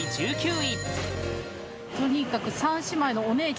第１９位